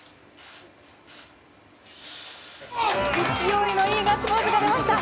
勢いのいいガッツポーズが出ました。